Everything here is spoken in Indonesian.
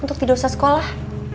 untuk tidur se sekolah